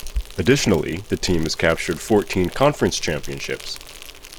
Additionally, the team has captured fourteen conference championships.